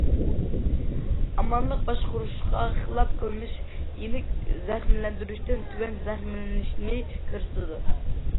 ئامانلىق باشقۇرۇشقا خىلاپ قىلمىش يېنىك زەخىملەندۈرۈشتىن تۆۋەن زەخىملىنىشنى كۆرسىتىدۇ.